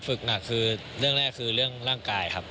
ฝึกหนักคือเรื่องแรกคือเรื่องร่างกายครับ